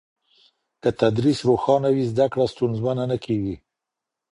که تدریس روښانه وي، زده کړه ستونزمنه نه کېږي.